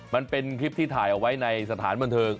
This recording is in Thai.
มันเป็นคลิปที่ถ่ายเอาไว้ในสถานบันเทิง